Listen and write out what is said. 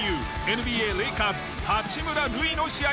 ＮＢＡレイカーズ八村塁の試合から。